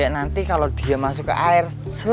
nanti kalau dia masuk ke air